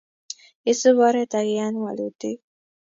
Isub oret akiyan walutik